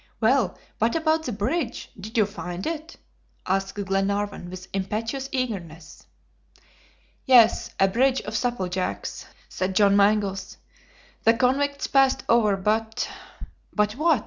"Well, what about the bridge? Did you find it?" asked Glenarvan, with impetuous eagerness. "Yes, a bridge of supple jacks," said John Mangles. "The convicts passed over, but " "But what?"